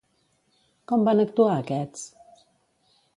Com van actuar aquests?